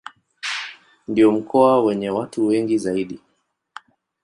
Ndio mkoa wenye watu wengi zaidi.